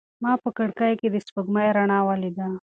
ما په کړکۍ کې د سپوږمۍ رڼا ولیده.